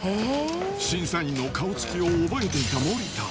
審査員の顔つきを覚えていた森田。